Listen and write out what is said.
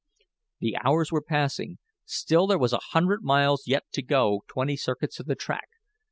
The hours were passing. Still there was a hundred miles yet to go twenty circuits of the track.